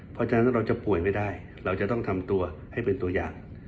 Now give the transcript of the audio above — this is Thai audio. เพราะฉะนั้นเราจะป่วยไม่ได้เราจะต้องทำตัวให้เป็นตัวอย่าง